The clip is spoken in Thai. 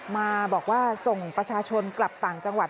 มาบอกว่าส่งประชาชนกลับต่างจังหวัด